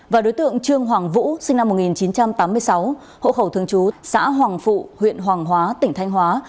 và đối tượng trương hoàng vũ sinh năm một nghìn chín trăm tám mươi sáu hộ khẩu thường trú xã hoàng phụ huyện hoàng hóa tỉnh thanh hóa